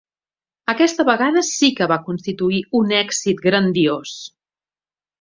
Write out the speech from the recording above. Aquesta vegada sí que va constituir un èxit grandiós.